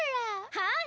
はい！